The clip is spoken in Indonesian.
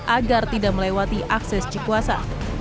agar tidak melewati akses cikuasa